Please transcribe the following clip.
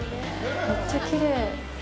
めっちゃきれい。